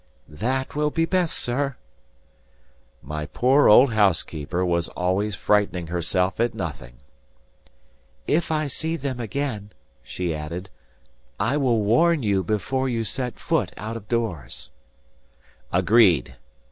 "That will be best, sir." My poor old housekeeper was always frightening herself at nothing. "If I see them again," she added, "I will warn you before you set foot out of doors." "Agreed!"